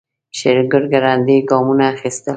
شېرګل ګړندي ګامونه اخيستل.